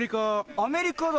アメリカだ！